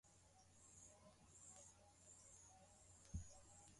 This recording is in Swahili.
Pamoja na ufahamu mdogo kuhusu umuhimu wa vitabu.